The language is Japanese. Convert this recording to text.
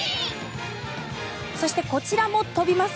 そして、こちらも飛びます。